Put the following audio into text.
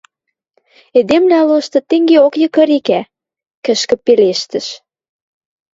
— Эдемвлӓ лошты тенгеок йыкырикӓ, — кӹшкӹ пелештӹш.